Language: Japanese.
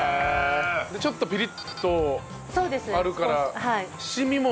ちょっとピリッとあるから。